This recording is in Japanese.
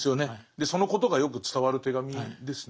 でそのことがよく伝わる手紙ですね。